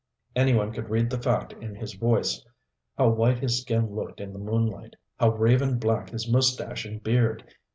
Any one could read the fact in his voice. How white his skin looked in the moonlight, how raven black his mustache and beard!